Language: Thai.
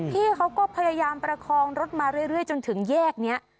พี่เขาก็พยายามประคองรถมาเรื่อยจนถึงแยกนี้